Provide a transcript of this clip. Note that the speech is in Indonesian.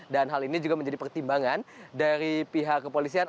dan hal ini juga menjadi pertimbangan dari pihak kepolisian